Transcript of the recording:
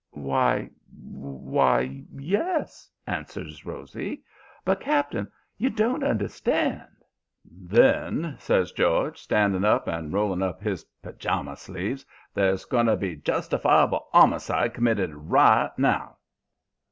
"'Why why, yes,' answers Rosy. 'But, cap'n, you don't understand ' "'Then,' says George, standing up and rolling up his pajama sleeves, 'there's going to be justifiable 'omicide committed right now.'